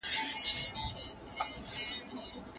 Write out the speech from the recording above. لیک: جعفرخان اڅکزی